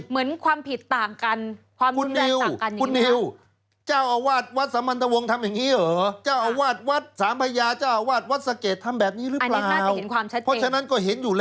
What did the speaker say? เหมือนความผิดต่างกัน